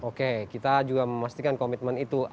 oke kita juga memastikan komitmen itu